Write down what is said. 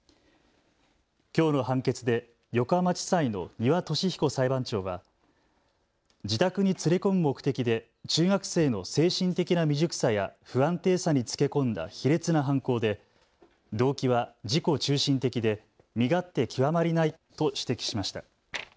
きょうの判決で横浜地裁の丹羽敏彦裁判長は自宅に連れ込む目的で中学生の精神的な未熟さや不安定さにつけ込んだ卑劣な犯行で動機は自己中心的で身勝手極まりないと指摘しました。